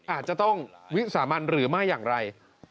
อาจจะต้องวิสามันหรือไม่อย่างไร